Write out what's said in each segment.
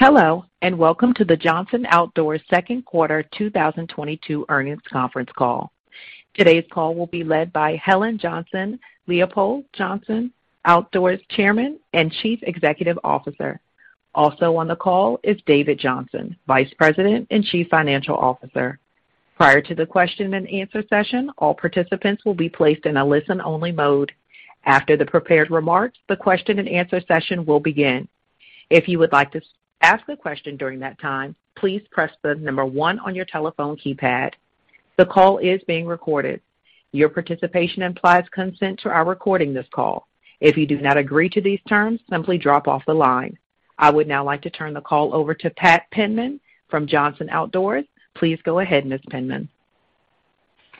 Hello, and welcome to the Johnson Outdoors second quarter 2022 earnings conference call. Today's call will be led by Helen Johnson-Leipold, Johnson Outdoors Chairman and Chief Executive Officer. Also on the call is David Johnson, Vice President and Chief Financial Officer. Prior to the question and answer session, all participants will be placed in a listen-only mode. After the prepared remarks, the question and answer session will begin. If you would like to ask a question during that time, please press the one on your telephone keypad. The call is being recorded. Your participation implies consent to our recording this call. If you do not agree to these terms, simply drop off the line. I would now like to turn the call over to Pat Penman from Johnson Outdoors. Please go ahead, Ms. Penman.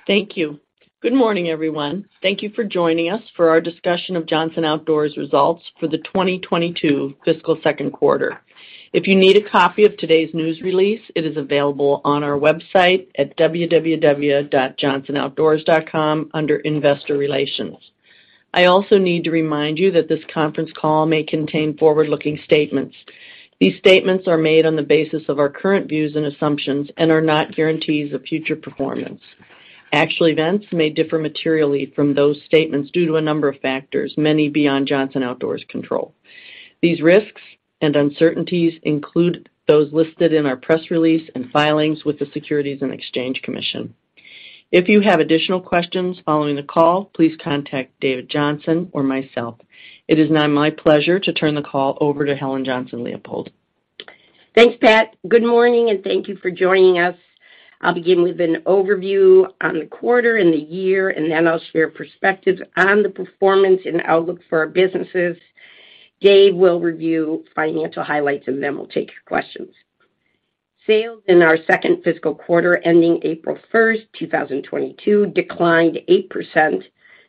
Thank you. Good morning, everyone. Thank you for joining us for our discussion of Johnson Outdoors' results for the 2022 fiscal second quarter. If you need a copy of today's news release, it is available on our website at www.johnsonoutdoors.com under Investor Relations. I also need to remind you that this conference call may contain forward-looking statements. These statements are made on the basis of our current views and assumptions and are not guarantees of future performance. Actual events may differ materially from those statements due to a number of factors, many beyond Johnson Outdoors' control. These risks and uncertainties include those listed in our press release and filings with the Securities and Exchange Commission. If you have additional questions following the call, please contact David Johnson or myself. It is now my pleasure to turn the call over to Helen Johnson-Leipold. Thanks, Pat. Good morning, and thank you for joining us. I'll begin with an overview on the quarter and the year, and then I'll share perspectives on the performance and outlook for our businesses. Dave will review financial highlights, and then we'll take your questions. Sales in our second fiscal quarter ending April 1st, 2022 declined 8%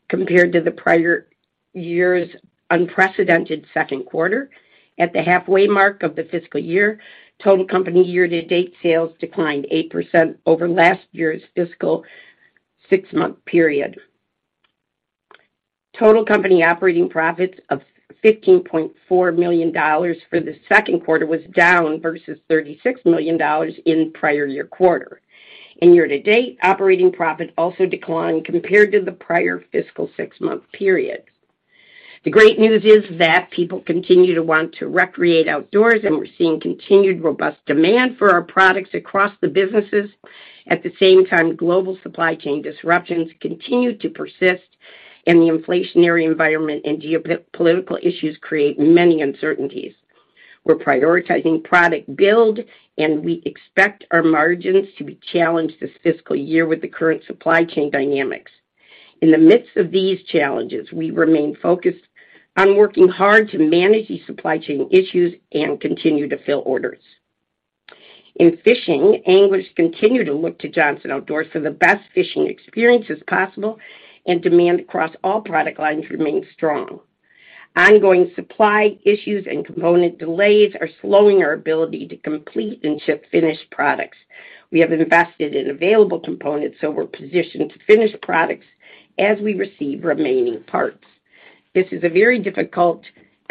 compared to the prior year's unprecedented second quarter. At the halfway mark of the fiscal year, total company year-to-date sales declined 8% over last year's fiscal six-month period. Total company operating profits of $15.4 million for the second quarter was down versus $36 million in prior year quarter. In year-to-date, operating profit also declined compared to the prior fiscal six-month period. The great news is that people continue to want to recreate outdoors, and we're seeing continued robust demand for our products across the businesses. At the same time, global supply chain disruptions continue to persist, and the inflationary environment and geopolitical issues create many uncertainties. We're prioritizing product build, and we expect our margins to be challenged this fiscal year with the current supply chain dynamics. In the midst of these challenges, we remain focused on working hard to manage these supply chain issues and continue to fill orders. In fishing, anglers continue to look to Johnson Outdoors for the best fishing experiences possible, and demand across all product lines remains strong. Ongoing supply issues and component delays are slowing our ability to complete and ship finished products. We have invested in available components, so we're positioned to finish products as we receive remaining parts. This is a very difficult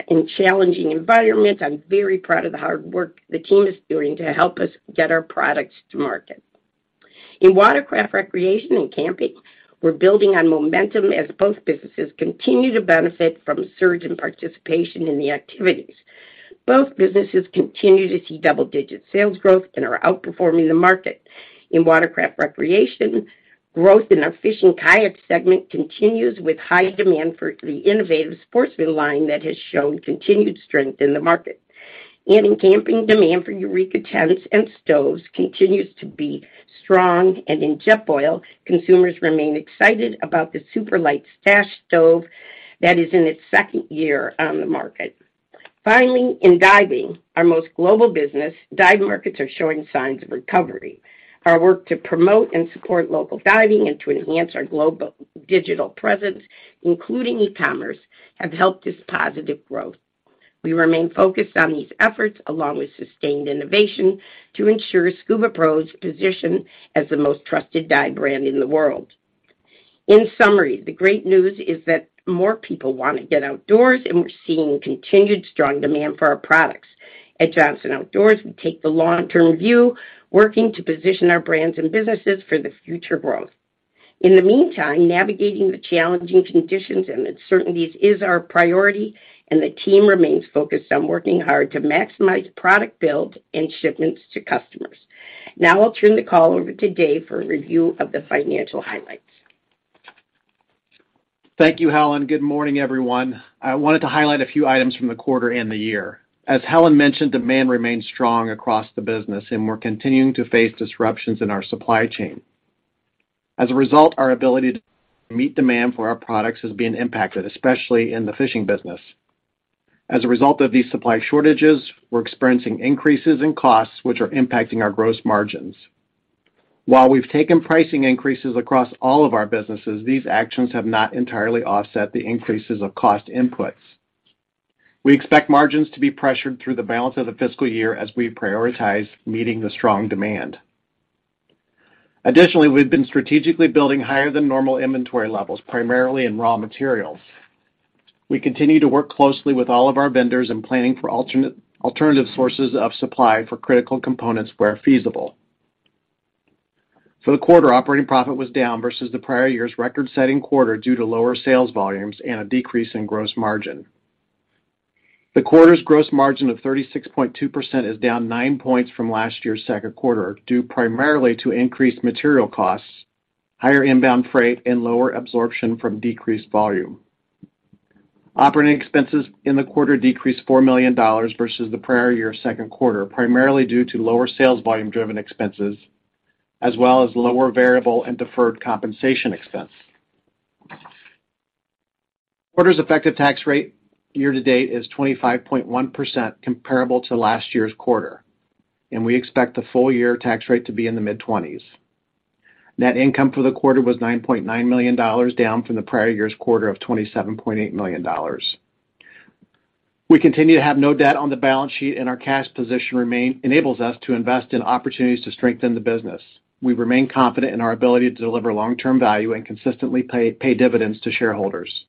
and challenging environment. I'm very proud of the hard work the team is doing to help us get our products to market. In Watercraft Recreation and Camping, we're building on momentum as both businesses continue to benefit from surge in participation in the activities. Both businesses continue to see double-digit sales growth and are outperforming the market. In Watercraft Recreation, growth in our fishing kayak segment continues with high demand for the innovative Sportsman line that has shown continued strength in the market. In Camping, demand for Eureka tents and stoves continues to be strong. In Jetboil, consumers remain excited about the SuperLight Stash stove that is in its second year on the market. Finally, in Diving, our most global business, dive markets are showing signs of recovery. Our work to promote and support local diving and to enhance our global digital presence, including e-commerce, have helped this positive growth. We remain focused on these efforts, along with sustained innovation, to ensure SCUBAPRO's position as the most trusted dive brand in the world. In summary, the great news is that more people wanna get outdoors, and we're seeing continued strong demand for our products. At Johnson Outdoors, we take the long-term view, working to position our brands and businesses for the future growth. In the meantime, navigating the challenging conditions and uncertainties is our priority, and the team remains focused on working hard to maximize product build and shipments to customers. Now I'll turn the call over to David for a review of the financial highlights. Thank you, Helen. Good morning, everyone. I wanted to highlight a few items from the quarter and the year. As Helen mentioned, demand remains strong across the business, and we're continuing to face disruptions in our supply chain. As a result, our ability to meet demand for our products is being impacted, especially in the fishing business. As a result of these supply shortages, we're experiencing increases in costs, which are impacting our gross margins. While we've taken pricing increases across all of our businesses, these actions have not entirely offset the increases of cost inputs. We expect margins to be pressured through the balance of the fiscal year as we prioritize meeting the strong demand. Additionally, we've been strategically building higher than normal inventory levels, primarily in raw materials. We continue to work closely with all of our vendors in planning for alternative sources of supply for critical components where feasible. For the quarter, operating profit was down versus the prior year's record-setting quarter due to lower sales volumes and a decrease in gross margin. The quarter's gross margin of 36.2% is down nine points from last year's second quarter, due primarily to increased material costs, higher inbound freight, and lower absorption from decreased volume. Operating expenses in the quarter decreased $4 million versus the prior year's second quarter, primarily due to lower sales volume-driven expenses as well as lower variable and deferred compensation expense. Quarter's effective tax rate year to date is 25.1% comparable to last year's quarter, and we expect the full year tax rate to be in the mid-20s. Net income for the quarter was $9.9 million, down from the prior year's quarter of $27.8 million. We continue to have no debt on the balance sheet, and our cash position enables us to invest in opportunities to strengthen the business. We remain confident in our ability to deliver long-term value and consistently pay dividends to shareholders.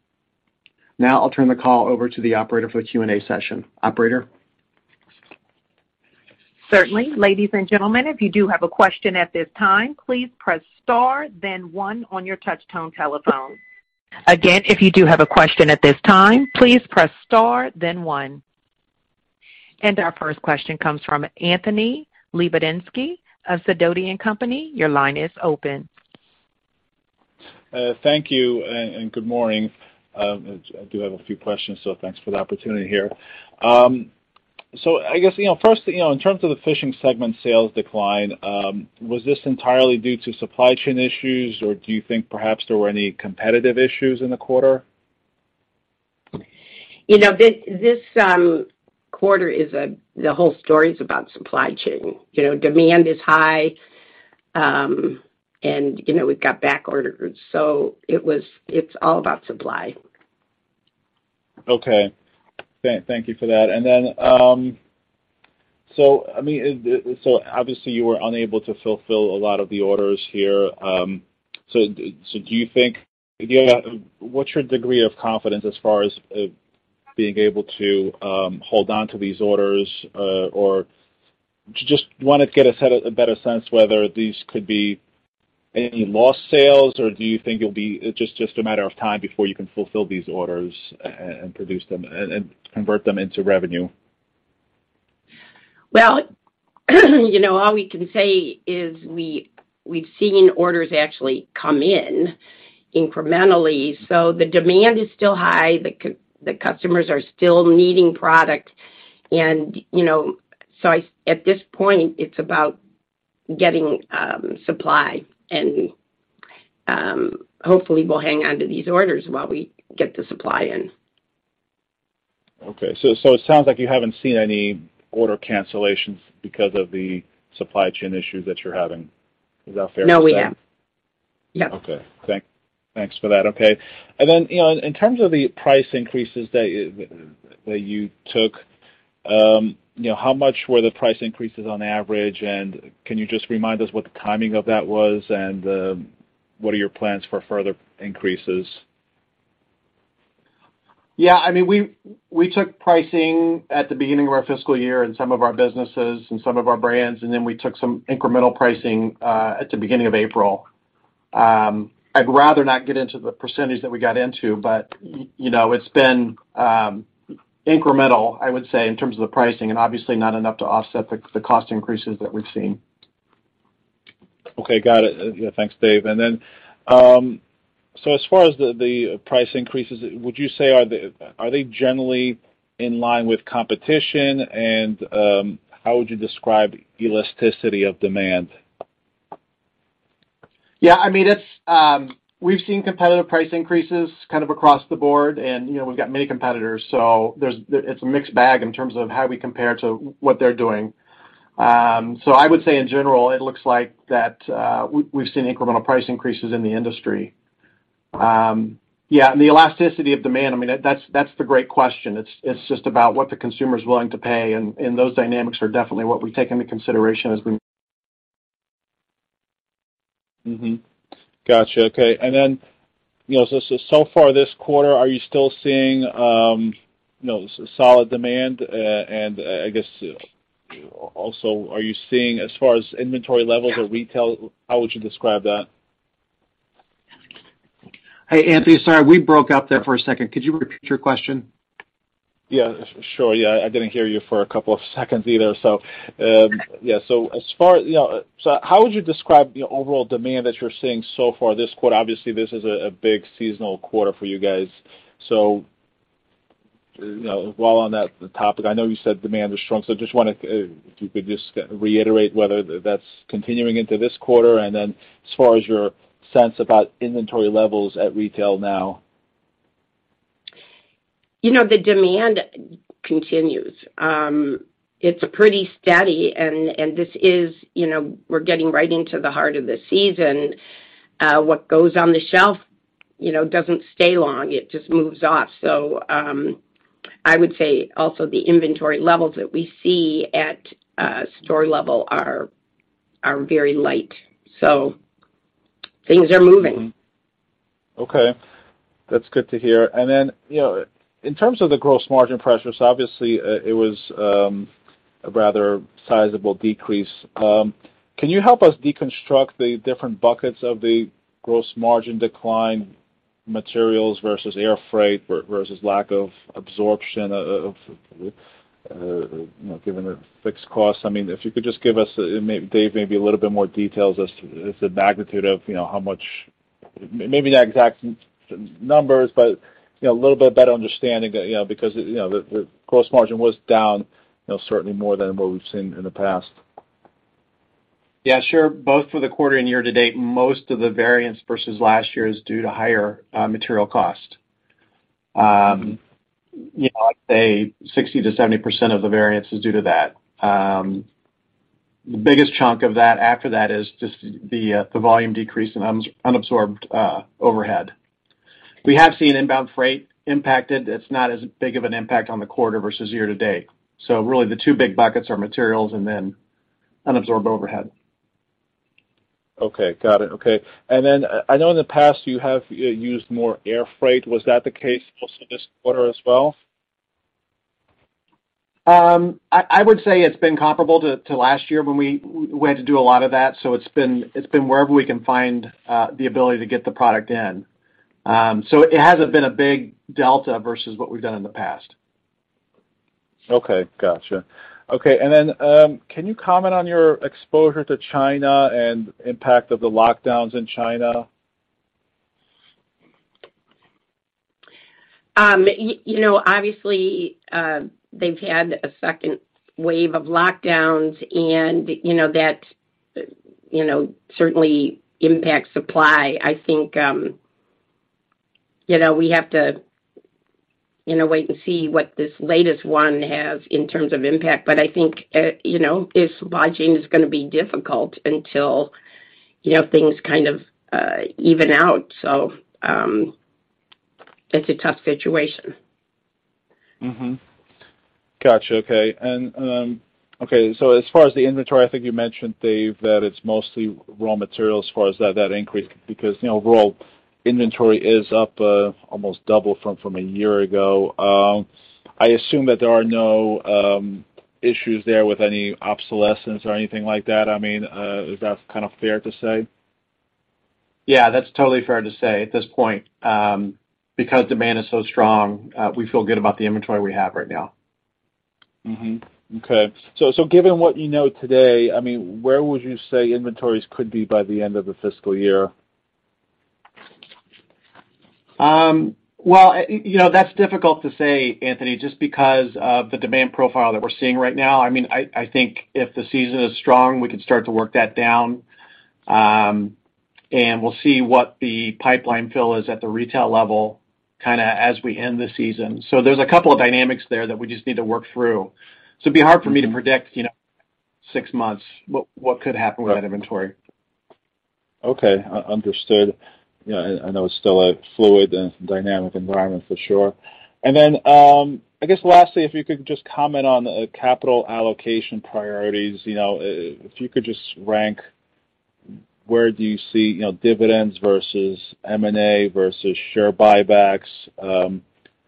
Now I'll turn the call over to the operator for the Q&A session. Operator? Certainly. Ladies and gentlemen, if you do have a question at this time, please press star then one on your touch-tone telephone. Again, if you do have a question at this time, please press star then one. Our first question comes from Anthony Lebiedzinski of Sidoti & Company. Your line is open. Thank you and good morning. I do have a few questions, so thanks for the opportunity here. I guess, you know, first, you know, in terms of the fishing segment sales decline, was this entirely due to supply chain issues, or do you think perhaps there were any competitive issues in the quarter? You know, this quarter is the whole story's about supply chain. You know, demand is high, and, you know, we've got back orders, so it's all about supply. Okay. Thank you for that. I mean, so obviously, you were unable to fulfill a lot of the orders here. So do you think, you know, what's your degree of confidence as far as being able to hold on to these orders? Or just wanna get a better sense whether these could be any lost sales, or do you think it'll be just a matter of time before you can fulfill these orders and produce them and convert them into revenue? Well, you know, all we can say is we've seen orders actually come in incrementally. The demand is still high. The customers are still needing product and, you know, at this point, it's about getting supply and, hopefully we'll hang on to these orders while we get the supply in. Okay. It sounds like you haven't seen any order cancellations because of the supply chain issues that you're having. Is that fair to say? No, we haven't. No. Okay. Thanks for that. Okay. Then, you know, in terms of the price increases that you took, you know, how much were the price increases on average? Can you just remind us what the timing of that was and what are your plans for further increases? Yeah. I mean, we took pricing at the beginning of our fiscal year in some of our businesses and some of our brands, and then we took some incremental pricing at the beginning of April. I'd rather not get into the percentage that we got into, but you know, it's been incremental, I would say, in terms of the pricing and obviously not enough to offset the cost increases that we've seen. Okay. Got it. Yeah. Thanks, Dave. As far as the price increases, would you say are they generally in line with competition? How would you describe elasticity of demand? Yeah, I mean, it's. We've seen competitive price increases kind of across the board and, you know, we've got many competitors, so it's a mixed bag in terms of how we compare to what they're doing. I would say in general, it looks like that, we've seen incremental price increases in the industry. Yeah, the elasticity of demand, I mean, that's the great question. It's just about what the consumer's willing to pay, and those dynamics are definitely what we take into consideration as we. Mm-hmm. Gotcha. Okay. Then, you know, so far this quarter, are you still seeing, you know, solid demand? I guess, also, are you seeing as far as inventory levels or retail, how would you describe that? Hey, Anthony, sorry, we broke up there for a second. Could you repeat your question? Yeah, sure. Yeah, I didn't hear you for a couple of seconds either. Yeah. As far, you know. How would you describe the overall demand that you're seeing so far this quarter? Obviously, this is a big seasonal quarter for you guys. You know, while on that topic, I know you said demand is strong. Just wanna, if you could just reiterate whether that's continuing into this quarter and then as far as your sense about inventory levels at retail now. You know, the demand continues. It's pretty steady and this is, you know, we're getting right into the heart of the season. What goes on the shelf, you know, doesn't stay long, it just moves off. I would say also the inventory levels that we see at store level are very light, so things are moving. Okay. That's good to hear. You know, in terms of the gross margin pressures, obviously, it was a rather sizable decrease. Can you help us deconstruct the different buckets of the gross margin decline materials versus air freight versus lack of absorption, you know, given the fixed costs? I mean, if you could just give us, maybe Dave, maybe a little bit more details as to the magnitude of, you know, how much. Maybe not exact numbers, but, you know, a little bit better understanding, you know, because, you know, the gross margin was down, you know, certainly more than what we've seen in the past. Yeah, sure. Both for the quarter and year to date, most of the variance versus last year is due to higher material cost. You know, I'd say 60%-70% of the variance is due to that. The biggest chunk of that after that is just the volume decrease in unabsorbed overhead. We have seen inbound freight impacted. It's not as big of an impact on the quarter versus year to date. Really, the two big buckets are materials and then unabsorbed overhead. Okay, got it. Okay. I know in the past you have used more air freight. Was that the case also this quarter as well? I would say it's been comparable to last year when we had to do a lot of that. It's been wherever we can find the ability to get the product in. It hasn't been a big delta versus what we've done in the past. Okay, gotcha. Okay. Can you comment on your exposure to China and impact of the lockdowns in China? You know, obviously, they've had a second wave of lockdowns and, you know, that certainly impacts supply. I think, you know, we have to, you know, wait and see what this latest one has in terms of impact, but I think, you know, this supply chain is gonna be difficult until, you know, things kind of even out. It's a tough situation. Mm-hmm. Gotcha. Okay. Okay, so as far as the inventory, I think you mentioned, Dave, that it's mostly raw materials as far as that increase because, you know, raw inventory is up almost double from a year ago. I assume that there are no issues there with any obsolescence or anything like that. I mean, is that kind of fair to say? Yeah, that's totally fair to say at this point. Because demand is so strong, we feel good about the inventory we have right now. Mm-hmm. Okay. Given what you know today, I mean, where would you say inventories could be by the end of the fiscal year? Well, you know, that's difficult to say, Anthony, just because of the demand profile that we're seeing right now. I mean, I think if the season is strong, we can start to work that down. We'll see what the pipeline fill is at the retail level kinda as we end this season. There's a couple of dynamics there that we just need to work through. It'd be hard for me to predict, you know, six months what could happen with that inventory. Okay. Understood. You know, I know it's still a fluid and dynamic environment for sure. I guess lastly, if you could just comment on capital allocation priorities, you know, if you could just rank where do you see, you know, dividends versus M&A versus share buybacks.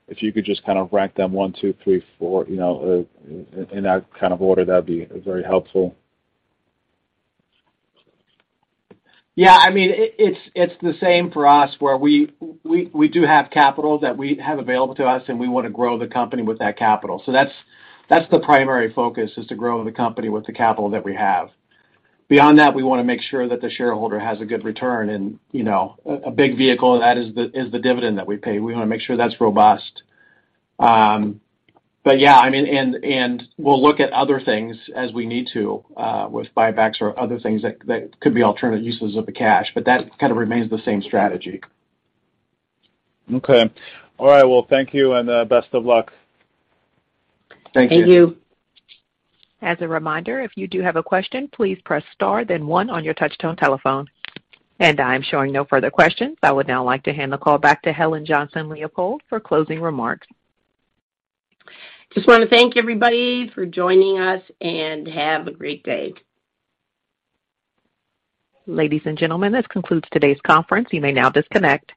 If you could just kinda rank them one, two, three, four, you know, in that kind of order, that'd be very helpful. Yeah, I mean, it's the same for us, where we do have capital that we have available to us, and we wanna grow the company with that capital. That's the primary focus is to grow the company with the capital that we have. Beyond that, we wanna make sure that the shareholder has a good return and, you know, a big vehicle of that is the dividend that we pay. We wanna make sure that's robust. Yeah, I mean, and we'll look at other things as we need to, with buybacks or other things that could be alternative uses of the cash, but that kind of remains the same strategy. Okay. All right, well, thank you and best of luck. Thank you. Thank you. As a reminder, if you do have a question, please press star then one on your touch tone telephone. I'm showing no further questions. I would now like to hand the call back to Helen Johnson-Leipold for closing remarks. Just wanna thank everybody for joining us, and have a great day. Ladies and gentlemen, this concludes today's conference. You may now disconnect.